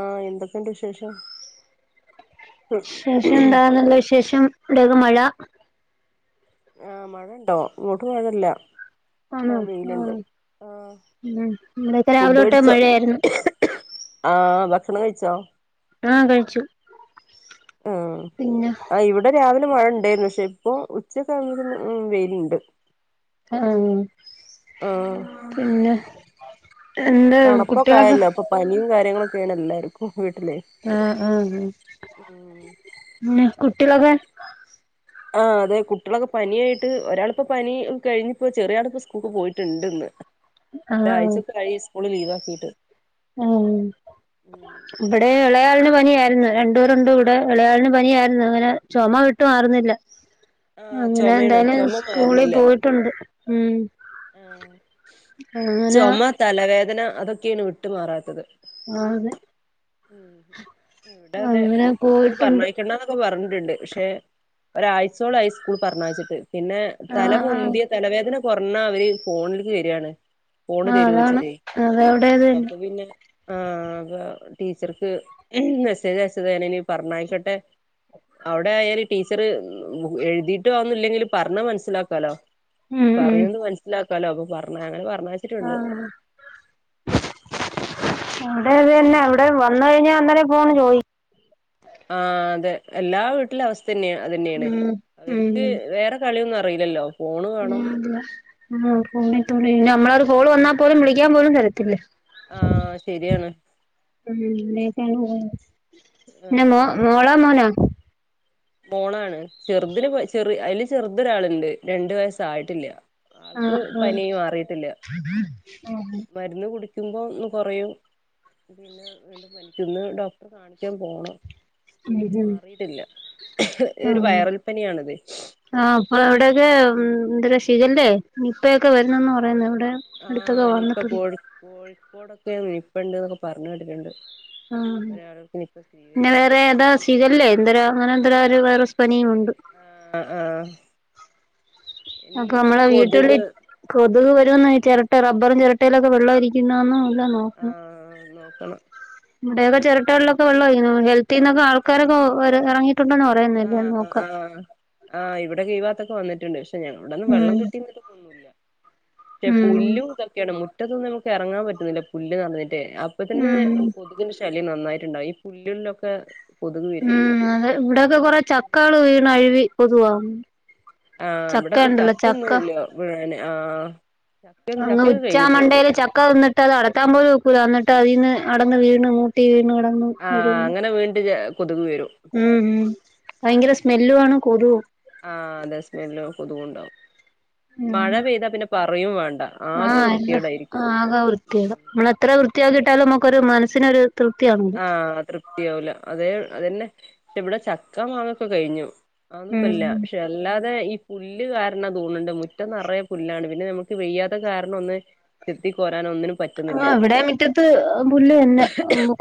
ആഹ് എന്തൊക്കെയുണ്ട് വിശേഷം ശേഷം എന്താ നല്ല വിശേഷം ഇവിടെ ഓക്കെ മഴ ആ മഴ ഉണ്ടോ ഇങ്ങോട്ട് മഴഇല്ല ആന്നോ ആഹ് ഉം ഇവിടൊക്കെ രാവിലെോട്ട് മഴയാരുന്നു ആ ഭക്ഷണം കഴിച്ചോ ആ കഴിച്ചു ആഹ് പിന്നെ ആ ഇവിടെ രാവിലെ ട്ട് മഴ ഉണ്ടായിരുന്നു ശെരിക്കും ഉച്ചക്കഴിഞ് പിന്നെ വെയിലുണ്ട് ആഹ് ആഹ് പിന്നെ എന്താ കുട്ടികളൊക്കെ തണുപ്പൊക്കൊയല്ലോ അപ്പൊ പനിയും കാര്യങ്ങളൊക്കെയാണ് എല്ലാർക്കും വീട്ടിലെ ആഹ് ആഹ് ഉം ഉം പിന്നേ കുട്ടിളൊക്കെ ആഹ് അതെ കുട്ടികളൊക്കെ പനിയായിട്ട് ഒരാളിപ്പോ പനി കഴിഞ്ഞിപ്പോ ചെറിയാളിപ്പോ സ്കൂൾക്ക് പോയിട്ടുണ്ട്ന്ന് ആഹ് ഒരാഴ്ചക്ക ആയി സ്കൂള് ലീവ് ആക്കിട്ട് ഉം ഇവിടെ പിന്നെ ഇളയാളിന് പനിയായിരുന്നു രണ്ടു പേരുണ്ടി. വിടെ ഇളയാളിന് പനിയായിരുന്നു അങ്ങനെ ചുമ വിട്ടു മാറുന്നില്ല ആഹ് അങ്ങനെ ചുമയാണ് എന്തായാലും ചുമ സ്കൂളിൽ പോയിട്ടുണ്ട് മ്മ് ആ ചുമ തലവേദന അതൊക്കെയാണ് വിട്ട്മാറാത്തത് ആഹ് അതെ ഉം ഇവിടെ അതെ അങ്ങനെ ടീച്ചറ് പോയിട്ടുണ്ട് പറഞ്ഞയക്കണ്ടന്നൊക്കെ പറഞ്ഞു. ണ്ട് പക്ഷെ ഒരാഴ്ചയോളം ആയി സ്കൂളി പറഞ്ഞയച്ചിട്ട് പിന്നെ ആഹ് ആഹ് തലപൊന്തിയ തലവേദന കൊറഞ്ഞാ അവര് ഫോണിലേക്ക് വരിയാണ് ആഹ് അതാണ് അത് ഇവിടെത് ആഹ് തന്നെ. അപ്പൊ പിന്നെ ആഹ് അപ്പൊ ടീച്ചർക്ക് മെസ്സേജ് അയച്ചത് തന്നെ ഇനി പറഞ്ഞയിക്കട്ടെ. അവിടെ ആയാല് ടീച്ചർ എഴുതിട്ട് ആകുന്നില്ലെങ്കിൽ പറഞ്ഞാൽ മനസ്സിലാക്കാലോ ഉം ഉം പറയുന്നത് മനസ്സിലാക്കാലോ അപ്പൊ പറഞ്ഞ അങ്ങനെ പറ മാച്ചിട്ടുണ്ട് ആഹ് അവിടെ തന്നെ അവിടെ വന്ന കഴിഞ്ഞാ അന്നേരം ഫോണ് ചോയി ആ അതെ എല്ലാ വീട്ടിലും അവസ്ഥ തന്നെയ അത് തന്നെയാണ് ഉം അവർക്ക് വേറെ കളിയൊന്നും റീല്ലല്ലോ അ നമ്മളരു കോള് വന്നാൽ പോലും വിളിക്കാൻ പോലും തരത്തില്ല ആഹ് ശരിയാണ് ഉം അങ്ങനെയൊക്കെ അങ്ങ് പോണ് പിന്നെ ആഹ് മോളോ മോനോ മോളാണ് ചെറുതിന് ചെറ അയ്ല് ചെറുതൊരാളുണ്ട് രണ്ടു വയസ്സായിട്ടില്ല ആൾക്ക് ആഹ് ആഹ് പനി മാറിയിട്ടില്ല മരുന്ന് കുടി വിക്കുമ്പോൾ ഒന്ന് കുറയും പിന്നെ വീണ്ടും പനിക്കന്ന് ഡോക്ടറെ കാണിക്കാൻ പോണം ശരിക്കും മാറിയിട്ടില്ല ഒരു വൈറൽ പനിയാണിത് ആ ആപ്പവിടകെ എന്ത് ക ശരില്ലേ നിപ്പക്കെ വരുന്നന്ന് പറയുന്നു ഇവിടെ അടുത്തൊക്കെ വന്നിട്ടുണ്ട് ഇപ്പോടൊക്കെ നിപ്പണ്ട് ഒക്കെ പറഞ്ഞ് കേട്ട്ണ്ട് ആ പിന്നെ വേറെ ഏതാ ശിഖല്ലേ എന്തെരു അങ്ങനെ എന്തേ ഒരു വൈറസ് പനിയും ഉണ്ട് ആ ആ അപ്പൊ മ്മളെ കൊതുക് വീട്ടുള്ളിൽ കൊതുക് വരന്നായി ആഹ് ചിരട്ട റബ്ബറും ചിരട്ടയിലൊക്കെ വെള്ളം ഇരിക്കുന്നന്നും എല്ലാം നോക്കണം. ക്കണം ഇവിടെയൊക്കെ ചെരട്ടയിലൊക്കെ വെ ള്ളമായി ഹെൽത്തിൽ നിന്നാൾക്കാരൊക്കെ ഇറങ്ങി ആ ആ ആ ഇവിടെ കെ ഈ ഭാഗത്തൊക്കെ വന്നിട്ടുണ്ട് ഏ ഇവിടെയൊന്നും ഉം വെള്ളം കെട്ടിയന്നുട്ടുല്ല പക്ഷെ പുല്ലും ഇതൊക്കെയാണ് മുറ്റത്തൊന്നും നമുക്ക് ഇറങ്ങാൻ പറ്റുന്നില്ല പുല്ല് നെറഞ്ഞിട്ട് അപ്പ തന്നെ ഉം കൊതുകിന്റെ ശ നന്നായിട്ടുണ്ടാവും ഈ പുല്ലിലൊക്കെ. കൊതുക് വരേ ഉം അതെ ഇവിടെക്കെ കൊറെ ചക്കകൾ വീണ് അഴവി പൊതുവ ആ ഇവിടെക്കെ ചക്കൊന്നുല്ല്യാ വിഴുന്ന് ആ അങ്ങ് ഉച്ചാമണ്ടൽ ചക്ക വന്നിട്ട് അത് അടത്താൻ പോലും നോക്കൂലന്നിട്ട് അതിന്ന് അടന്ന് വീണ് മൂട്ടി വീണ് കിടന്ന് ആ അഴുകുന്നു അങ്ങനെ വീണ്ട് ഉം ഉം ഭയങ്കര ആ സ്മെല്ലുവാണ് കൊതുവും ആ ദസ്മിനിലും കൊത്കുണ്ടാവും മഴ പെയ്താ പിന്നെ പറയും വേണ്ട ആ ആകെ എല്ല വൃത്തികേടായിരിക്കും ആക വൃത്തിയാക നമ്മള് എത്ര വൃത്തിയാക്കിട്ടാലും നമുക്കൊരു മനസ്സിനൊരു തൃപ്തിയാണല്ലോ ആ തൃപ്തിയാവൂല അതേ അതന്നെ ഇ ഇവിടെ ചക്ക മാങ്ങൊക്കെ കഴിഞ്ഞു. ആവുന്നുപ്പല്യാ ഉം പക്ഷെ എല്ലാ അ ഈ പുല്ല് കാരണം തോന്നുന്നുണ്ട് മുറ്റം നിറയെ പുല്ലാണ് പിന്നെ നമുക്ക് വെയ്യാത്ത കാരണം ഒന്ന് ത്തി കോരനോന്നിന്നും ആ ഇവിടെ മിറ്റത്ത് പുല്ല് തന്നെ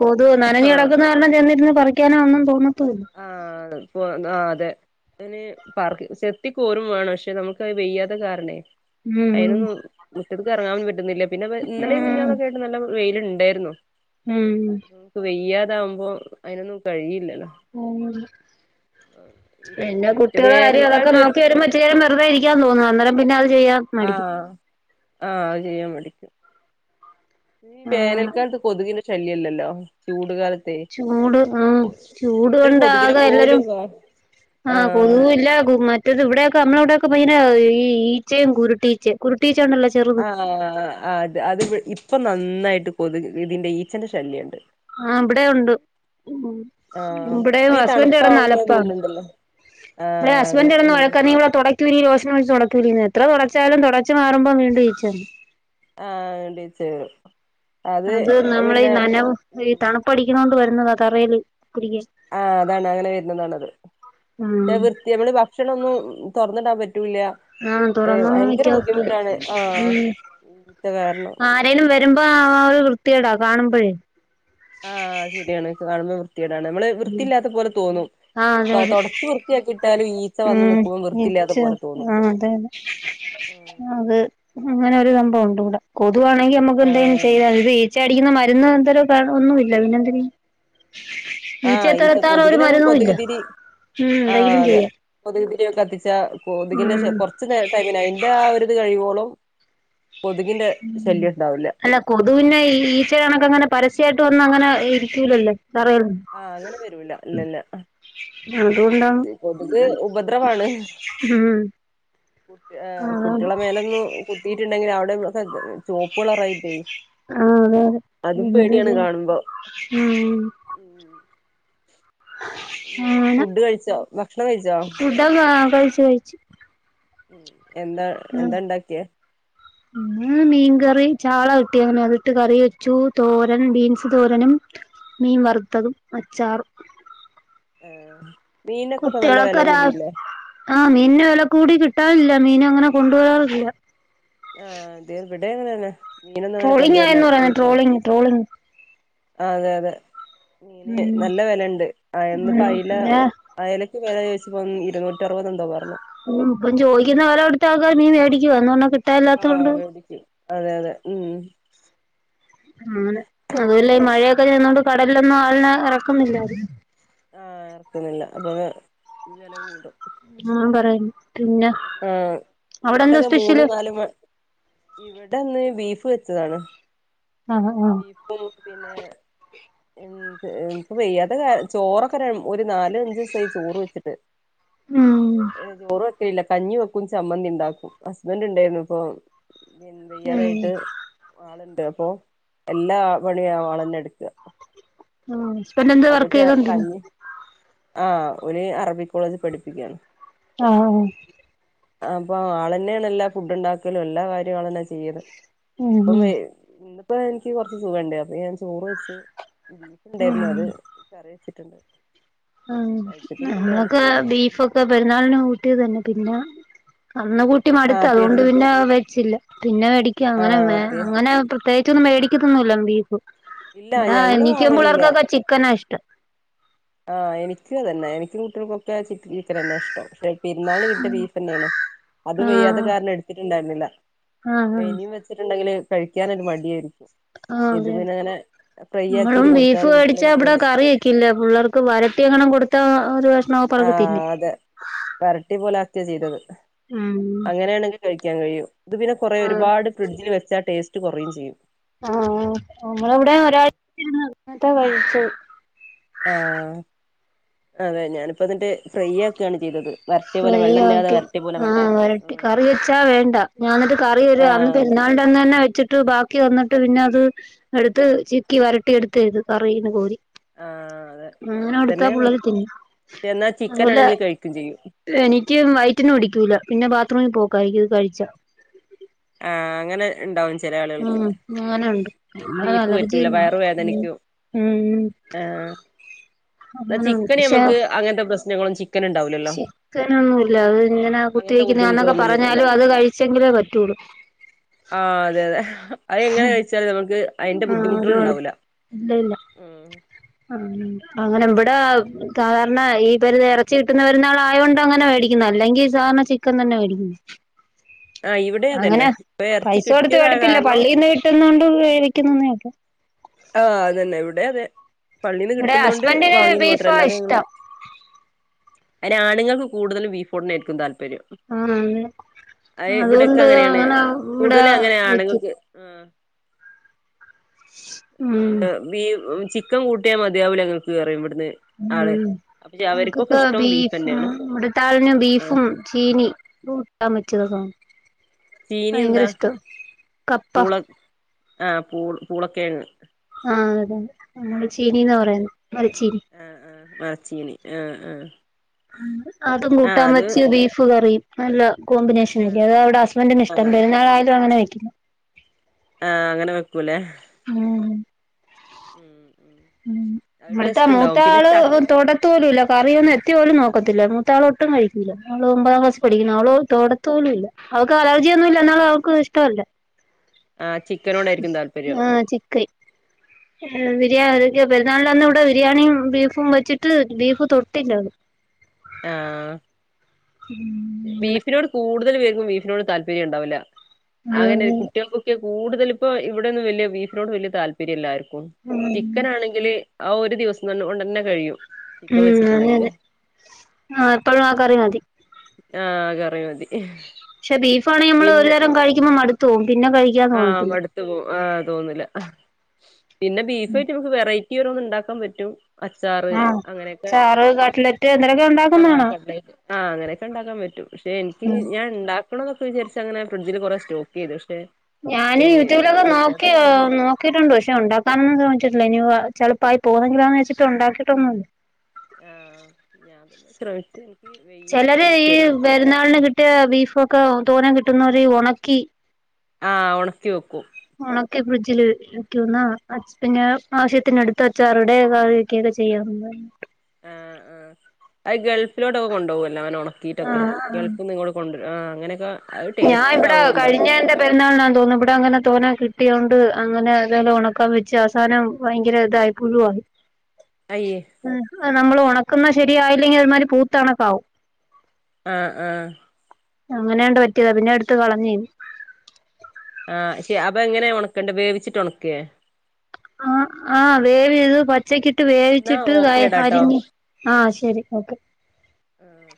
കൊ അത നനഞ്ഞ് ആഹ് കിടക്കുന്ന കാരണം ചെന്നിരുന്നുന്ന് പറിക്കാനാ ഒന്നും തോന്നു ആ ആ അതെ അന് പാർക് ചെത്തിക്കോരും വേണം പക്ഷെ നമുക്ക്ത് വെയ്യാത്തെ കാരണേ ഉം അയിനൊന്നും മുറ്റത്ത്ക്ക് ഇറങ്ങാനു പറ്റുന്നില്ല പിന്നെ ഇന്നലെയും ഉം മിഞ്ഞാന്നൊക്കെ ആയിട്ട് നല്ല വെയിലു ണ്ടായിരുന്നു ഉം വയ്യാതാവുബോ അയിനൊന്നും കഴിയില്ലല്ലോ ഉം പിന്നെ മറ്റേ കുട്ട്യാളെ കാര്യം അതൊക്കെ വേനൽക്കാലത്ത് ഒരു നോക്കി വരുമ്പോറ്റു നേരം വെറുതെ ഇരിക്കാൻ തോന്നുന്നു അന്നേരം പിന്നെ അത് ചെയ്യാ ആ ആ അത് ചെയ്യാൻ മടിക്കും ആഹ് വേനൽക്കാലത്ത് കൊതുകിന്റെ ശല്യല്ലല്ലോ ചൂടുകാല ചൂട് ആ ചൂട് ഒരു കൊണ്ട് കൊതുകിനെ ആകെ എല്ലരും പോലും കാ ആ ആഹ് കൊതുകുല്ല മ റ്റത് ഇവിടെയക്കെ നമ്മളെ ഇവിടെയൊക്കെ ഈച്ചയും കുരുട്ടീച്ചെ കുരുട്ടീച്ച ഉണ്ടല്ലോ ചെറുത് ആ അ അത് ഇപ്പൊ നന്നായിട്ട് കൊതു ഇതിന്റെ ഈച്ചന്റെ ശല്യുണ്ട് ആ വിടെ ഉണ്ട് ഉം ആഹ് ഇവിടെ ഇപ്പൊ ഈ ഹസ്ബൻറ് തണുപ്പാവുമ്പോ എടനലപ്പ തോന്നുന്നുണ്ടല്ലോ ഇവിടെ ആഹ് അതെ ഹസ്ബൻറ് ഇടന്ന് ഉം വഴക്കാ നീടെ തുടക്കി [unintelligible] തുടക്കൂലേ എത്ര തുടച്ചാലും തുടച്ച മാറുമ്പോം വീണ്ടും ഈച്ചന്നെ ആ ടീച്ചർ അത് നമ്മള ഈ നനവ ഈ തണുപ്പടിക്കുന്ന കൊണ്ട് വരുന്ന തറയിൽ ആ അതാണ് അങ്ങനെ വരുന്നതാണത് ഉം വൃത്തി നമ്മള് ഭക്ഷണ ഒന്നും തുറന്നിടാൻ പറ്റും ല്ല ആഹ് തുറന്നൊന്നും ഭയങ്കര വെക്കാൻ ഒക്കൂല ബുദ്ധിമുട്ടാണ് ആത്ത ആരെലും വരുമ്പോ ആ ഒരു വൃത്തിയേടാ കാണുമ്പോഴേ വൃത്തിേടാണ് നമ്മള് വൃത്തിയില്ലാത്ത പോലെ തോന്നും ആഹ തൊ അതെ തൊടച്ച് വൃത്തിയാക്കിയിട്ടാലും അതെ ഈച്ച വന്ന് നിക്കുമ്പോ ഉം ച്ച വൃത്തിയില്ലാത്ത പോലെ തോന്നും ആഹ അതെ അതെ അത് അങ്ങനെ ഒരു സംഭവണ്ട് ഇവിടെ കൊതുവാണെങ്കിൽ നമ്മുക്ക് എന്തേലും ആഹ് ചെയ്യ ഇത് ഈ അടിക്കുന്ന മരുന്ന് എന്ത ഒന്നുമില്ല പിനെന്തും ആഹ ഈ കൊതുകിനെ ഇല്ല കൊതുക്തിരി ഉം ആഹ എന്തെങ്കിലും അതെ ചെയ്യാം കൊതുക്തിരി ക്കെ കത്തിച്ച കൊതുകിൻ്റെ ഉം കുറച്ച് ടൈമി അതിന്റെ ആ ഒരുരിത് കഴിവോളും ഉ ഉണ്ടാവില്ല അല്ല കൊതു പിന്നെ ഈച്ചയുടെ കണക്ക അങ്ങനെ പരസ്യമായിട്ട ഇട്ട ഒന്നും അങ്ങനെ ഇരിക്കൂലല്ലേ ആഹ അങ്ങനെ വരൂല ഇല്ല ഇല്ല അതുകൊണ്ടാണ് കൊതുക് ഉപദ്രവാണ് ഉം കു അതാണ് കുട്ടികളെ മേലൊന്നന്ന് കുത്തിട്ടുണ്ടെങ്കിൽ അവിടെ ചോപ്പളറായിട്ടേ ആ അതെ അതെ അതും എന്ത് പേടിയാണ് ചെയ്യാൻ കാണുമ്പോ ഉം പിന്ന അങ്ങനെ ഫുഡ് കഴിച്ചോ ഭക്ഷണം കഴിച്ചോ ഫുഡൊക്കെ കഴിച്ചു കഴിച്ചു ഉം എന്താ ഉ എന്താ ഉണ്ടാക്കിയേ ഉ മീൻകറി ചാള കിട്ടി അങ്ങനെ അതിട്ട് കറി വെച്ചു തോരൻ ബീൻസ് തോരനും മീൻ വറുത്തതും അച്ചാറും ആഹ കുട്ടികളൊക്കെ ആഹ് മീന് വില കൂടി കിട്ടി കിട്ടാറില്ല മീനങ്ങനെ കൊണ്ട വരാറില്ല ആഹ് ദേവിടേം എങ്ങനെയന്നെ ട്രോളിങ് എന്ന് പറയുന്നത് ട്രോളിങ് ട്രോളിങ് അതെ അതെ മീന് ഉം നല്ല വിലണ്ട് ഇന്നിപ്പോ ഉം അയല പിന്നെ അയലക്ക് വില ചോദിച്ചപോ നൂറ്റാറുപത്ത് എന്തോ പറഞ്ഞു ഉ ഇപ്പം ചോദിക്കുന്ന വില എടുത്ത ആക്കാ നീ മേടിക്കുവവാ എന്നന്ന്ോിട്ട ആഹ മേടിക്കും അതെ അതെ ഉം അനെ അതല്ല ഈ മഴയൊക്കെ ചെന്നോണ്ട് കടലിലൊന്നും ആളിനെറക്കുന്നില്ല ആഹ ഇറക്കുന്നില്ല അപ്പൊ വില കൂടും ഞാൻ പറയുന്നു പിന്നെ ആഹ അവിടെ എന്താ ഇങ്ങോട്ടൊക്കെ സ്പെഷ്യല് മൂന്നും നാലും മ ഇവിടെ ഒന്ന് ബീഫ് വെച്ചതാണ് ആഹ് ആഹ് ബീഫും പിന്നെ ഉ ഇപ്പൊ വെയ്യാതൊ ചോറൊക്കെ ഒരു നാല അഞ്ച ദിവസമായി ചോറ് വെച്ചിട്ട് ഉം ഏ ല്ല കഞ്ഞി വെക്കും ചമ്മന്തി ഉണ്ടാക്കും ഹസ്ബന്റ് ഉണ്ടായിരുന്നുപ്പൊ ഉം വേയ്യതായിട്ട് ആളുണ്ട് അപ്പൊ എല്ലാ പണിയാളന്നടുക്കുക ആ പിന്നെ എന്ത് വർക്ക് ചെയ്തോണ്ടിന്ന് ആഹ ഒര് അറബിക് കോളേജ് പഠിപ്പിക്കണ് ആഹ അപ്പൊ ആളന്നെയാണ് എല്ലാ ഫുഡണ്ടാക്കലും എല്ലാ കാര്യ ആൾന്നാ ചെയ്യത് ഉം ഇപ്പം ഇന്നിപ്പോ എനിക്ക് കൊറച്ച് സുഖ ഉണ്ട അപ്പൊ ഞാൻ ചോറ് വെച്ച് ബീഫ് ഉം ഇണ്ടായിരുന്നത് കറി വെച്ചിട്ടുണ്ട് ആ കഴിച്ചിട്ടൊന്നുല്ല ആരും ങ്ങക്കെ ബീഫൊക്കെ പെരുന്നാളിന കൂട്ടി തന്നെ പിന്നെ അന്ന് കൂട്ടി മടുത്ത് ആഹ് അതുകൊണ്ട് പെരു പിന്നെ വെച്ചില്ല പിന്നെ മേടിക്ക അങ്ങനെ ആഹ് തന്നെ പെ അങ്ങനെ പ്രത്യേകി മേടിക്കതൊന്നുമില്ല ബീഫ് ഇല്ല ഇവിട ഞങ്ങള് എനിക്കും വാങ്ങലില്ല പിള്ളേർക്കൊക്കെ ചിക്കനാ ഇഷ്ടം ആ എനിക്കും അതന്നെ എനിക്കും കുട്ടികൾക്കൊക്കെ ചിക്കൻ തന്നെ ഇഷ്ടം പെരുന്നാളിന് കിട്ടിയ ബീഫ് തന്നെയണോ അത് വയ്യാത്ത ആഹ് കാരണം എടുത്തിട്ടുണ്ടായിരുന്നില്ല ആഹ് ആഹ് ഇനിയും വെച്ചിട്ടുണ്ടെങ്കില് കഴിക്കാൻ ഒരു മടിയായിരിക്കും ആ ഇത് അതെ അതെ പിന്നെ അങ്ങനെ ഫ്രൈ നമ്മളും ആക്കിട്ട് ബീഫ് കൊടുത്താല് മേടിച്ചാ കുട്ടികളോട് അവിടെ കറി വെക്കില്ല പിള്ളാർ വരട്ടിയങ്ങണം കൊടുത്താ ഒരു വെ ആ അതെ വരട്ടി പോലെ ആക്കിയാ ചെയ്തത് ഉം അങ്ങനെയാണെങ്കിൽ കഴി കഴിയും പിന്നെ കൊറേ ആഹ് ഒരുപാട് ഫ്രിഡ്ജിൽ വെച്ചാ ടേസ്റ്റ് കൊറയും ചെയ്യും ആ നമ്മള ഇവിടെ ഒരാഴ്ച ഇരുന്ന് എന്നിട്ടാ കഴിച്ചത് ആ അതെ ഞാനിപ്പോ എന്നിട്ട് ഫ്രൈ ആക്കയാണ് ചെയ്തത് വരട്ടിയ പോലെ ഫ്രൈ വെള്ളല്ലാതെ ആക്കി വരട്ടിയ പോലെ ആ അങ്ങോട്ടാക്കി വരട്ടി കറി വെച്ചാ വേണ്ട ഞാനത് കറി വെരാ അന്ന് ആഹ് അതെ പെരുന്നാൾ ണ്ടന്നനെ വെ വച്ചിട്ട് ബാക്കി വന്നിട്ട് പിന്നെ അത് എടുത്ത് ചിക്കി വരട്ടി എടുത്തേത് കറീന്ന് കോരി ആ അതെ അങ്ങനെ കൊടുത്താ തന്നെയാണ് പിള്ളേര് തിന്നും എന്നാ ചിക്കൻ അതുപോലെ ആണെങ്കിൽ കഴിക്കയും ചെയ്യും എനിക്ക് വയറ്റിന് പിടിക്കൂല പിന്നെ ബാത്റൂമിൽ പോക്കാരിക്കും ഇത് കഴിച്ച ആ അങ്ങനെ ഇണ്ടാവും ഉം അങ്ങനെ ഉണ്ട് ബീഫ് പറ്റൂല അലർജിയൊന്നും വയറ് വേദനിക്കും ഉം എന്നാ അങ്ങനുണ്ട് ചിക്കന് പക്ഷെ നമുക്ക് അങ്ങനത്തെ പ്രശ്നങ്ങളും ചിക്കൻ ഉണ്ടാവില്ലല്ലോ ചിക്കനൊന്നുല്ല അത് ഇങ്ങന അങ്ങനത്തെ കുത്തിവെക്കുന്ന എന്നൊക്കെ ബുദ്ധിമുട്ടുകളൊന്നും വരൂല്ല പറഞ്ഞാലും അത് കഴിച്ചെങ്കിലേ പ ആ അതെ അതെ അത് എങ്ങനെ കഴിച്ചാലും നമുക്ക് അതിന്റെ ആഹ് ഒരു ബുദ്ധിമുട്ടുകൾ കൊഴ ഇണ്ടാവൂല ഇല്ല ഇല്ല അങ്ങനെ ഇവിടെ സാധാരണ ഈ ഇപ്പ എറച്ചി കിട്ടുന്ന പെരുന്നാൾ ആയോ ണ്ടങ്ങനെ മേടിക്കുന്ന അല്ലെങ്കിൽ സാധാരണ ചിക്കൻ തന്നാ മേടിക്കുന്നെ ആ ഇവിടെ അങ്ങനെ അതന്നെ ഇപ്പൊ ഇറച്ചി പൈസ കൊടുത്ത് കിട്ടിയതായ മേടിപ്പില്ല കാരണം പള്ളീന്ന് കിട്ടുന്നോണ്ട് വേടിക്കുന്നന്നേ ഒള്ളു ആ അതന്നെ ഇവിടെം അതെ പള്ളീന്ന് ഇവിടെ കിട്ടുന്നോണ്ട് ഹസ്ബൻഡിന് വാങ്ങിയെന്ന് മാത്രം ബീഫാ അല്ലാതെ ഞങ്ങള് ഇഷ്ടം അതിന് ആണുങ്ങൾക്ക് കൂടുതലും ബീഫോട് തന്നായിരിക്കും താല്പ ആന്ന് ആന്ന് ഇവിടെക്കെ അതുകൊണ്ട് അങ്ങനെയാണ് അങ്ങനെ ഇവിടെ കൂടുതലും അങ്ങനെ വെക്കും ആണുങ്ങൾക്ക് ആ ഉം ബീ ചിക്കൻ കൂട്ടിയാൽ മതിയാവില്ല ഗൾഫ്കറി ഇവിടു ഉം അവക്കൊക്കെ ഇഷ്ടം ബീഫ് ബീഫും തന്നെയാണ് ആ ഇവിട്താളിന് ആ ബീഫും ചീനിം പറ്റും ചീനി ഭയങ്കര എന്താ ഇഷ്ടം കപ്പ പൂള ആ പൂൾ പൂളൊക്കെയാണ് ആ അതെ നമ്മൾ ചീനീന്നാ പറയുന്നെ മരച്ചീനി ആ ആ മരച്ചീനി ആ ആ അതും ആ കൂട്ടാൻ അത് വച്ച് ബീഫ് കറിയും നല്ലാ കോമ്പിനേഷൻ ആ ആയിരിക്കും അതാ ഇവിടെ ഹുസ്ബൻഡിന് ആ ഇഷ്ടം പെരുന്നാളായാലും അങ്ങനാ വെക്കുന്ന ആ അങ്ങനെ വെക്കുല്ലേ ഉം ഉം അത് ഇവിടുത്തെ ടേസ്റ്റ് മൂത്ത ഉണ്ടാവും പിന്നെ ആള് ചക്ക തൊടുത്ത പോലുല്ല കറിയൊന്നും എത്തി പോലും നോക്കത്തില്ല മൂത്താൾ ഒട്ടും കഴിക്കൂല അവൾ ഒമ്പതാം ക്ലാസിൽ പഠിക്കുന്നു അവള് തോടത്ത പോലുല്ല അവൾക്ക് അലർജിയൊന്നും ഇല്ല എന്നാലും അവൾക്ക് ഇഷ്ടല്ല ആ ചിക്കനോടായിരിക്കും താല്പര്യം ആ ചിക്കൻ ഉം ബിരിയാണി പെരുന്നാളിന്റെ അന്ന് ഇവിടെ ബിരിയാണിയും ബീഫും വെച്ചിട്ട് ബീഫ് തൊട്ടില്ലിവള് ആ ഉം ബീഫിനോട് കൂടുതൽ ബീഫിനോട്‌ താല്പര്യം ഇണ്ടാവില്ല അങ്ങനെ ആഹ് അതെ കുട്ടികൾക്കൊക്കെ കൂടുതലും ഇപ്പ ഇവിടെയൊന്നും വിയ ബീഫിനോട് വലിയ താല്പര്യംല്ലായിരിക്കും ചിക്കൻ ആണെങ്കില് ആ ഒരു ദിവസംന്ന കൊണ്ടു തന്നെ കഴിയും ഉം ചിക്കൻ അതെ വെച്ചിട്ടുണ്ടെങ്കില് അതെ ആ എപ്പോഴും ആക്കറിയ മതി ആഹ കറിയ മതി പക്ഷെ ബീഫാണെങ്കിൽ നമ്മള് ഒരു പിന്നെ തരം കഴിക്കുമ്പോ മടുത്തു പോകവും പിന്നെ കഴിക്കാന്ന് ആഹ് തോന്നട്ടില്ല മടുത്തു പോവും ആഹ് തോന്നില്ല പിന്നെ ബീഫ ആയിട്ട് നമുക്ക് വെറൈറ്റി ഓരോ ഒന്നും ഉണ്ടാക്കാൻ പറ്റും അച്ചാറ് ആഹ് അങ്ങനെയൊക്കെ ചാറ് കട്ട്ലറ്റ് എന്തേലൊക്കെ ഉണ്ടാക്കുന്ന ആഹ കാണാം കണ്ട ആ അങ്ങനെയൊക്കെ ഉണ്ടാക്കാൻ പറ്റും പക്ഷെ എനിക്ക് ഉം ഞാൻ ഇണ്ടാക്ക കണമൊക്കെ വിചരി അങ്ങനെ ഡ്ജിൽ കുറെ സ്റ്റോക്ക് ചെയ്തു പക്ഷെ ഞാാന് യൂട്യൂബിലൊക്കെ വെയ്യാത്ത നോക്കി കാരണം നോക്കിട്ടുണ്ട് പക്ഷെ ഉണ്ടാക്കാനൊന്നും ശ്രമിച്ചിട്ടില്ല ഇനി ചെളപ്പായി പോന്നെങ്കിലാന്ന് വെച്ചിട്ട് ഉണ്ടാക്കിട്ടൊന്നും ല്ല ഞാൻതെ ശ്രമിച്ചു എനിക്ക് വെയ്യ ചെലര് പിന്നെ ഈ ചെറിയ തോന കിട്ടുന്നര് ഉണക്കി ആഹ ഉണക്കി വെക്കൂ ഉണക്കെ ഫ്രിഡ്ജില് വക്കൂന്നാ പിന്നെ ആവശ്യത്തിന അടുത്ത് അച്ചാറടെ കാ വക്കിയത് ചെയ്യ ആ ആ്ത് ഗൾഫിലോട്ടൊക്കെ കൊണ്ടുപോകല്ലേ അങ്ങനെ ഉണക്കിയിട്ടൊക്കെ ആഹ് ആഹ് ഗൾഫിൽ നിങ്ങോട്ട കൊണ്ടപും അങ്ങനെയൊക്കെ അത് ഞാൻ ടേസ്റ്റ് ഇവിടെ ഉണ്ടാവോ എന്തോ കഴിഞ്ഞതിന്റെ പെരുന്നാളിന തോന്നുന്നു ഇവിട അങ്ങനെ തോന്നാ കിട്ടിയോണ്ട് അങ്ങനെ ഇതെല്ലാം ഉണക്കൻ വെച്ച് അവസാനം ഭയങ്കര ഇതായി പുലുവവാ അയ്യേ ഉ നമ്മൾ ഉണക്കുന്ന ശരിയായില്ലെങ്കിൽ അമാതിരി പൂത്ത്ണക്കാവും ആഹ ഉഹ അങ്ങനെയാണ്ട് പറ്റിയതാ പിന്നെ എടുത്ത് കളഞ്ഞ ആ ശ അപ്പൊ എങ്ങനെയ ഉണക്കണ്ട വേവിച്ചിട്ട് ഉണക്കേ ആ ആഹ് വേവിയത് പച്ചക്കി ഇട്ട് എന്നാ വേവിച്ചിട്ട് ഓക്കേടാട്ടോ അരിഞ്ഞഞ് ആ ശരി ഓക്കെ ആഹ